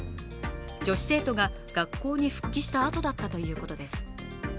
女子生徒が学校に復帰したあとだったということです。